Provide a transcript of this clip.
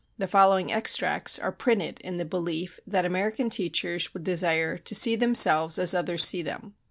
The following extracts are printed in the belief that American teachers would desire "to see themselves as others see them."